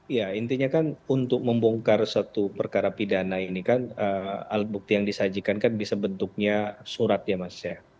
ya intinya kan untuk membongkar satu perkara pidana ini kan alat bukti yang disajikan kan bisa bentuknya surat ya mas ya